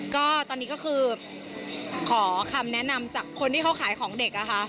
ก็ตอนนี้ก็คือขอคำแนะนำจากคนที่เขาขายของเด็กอะค่ะ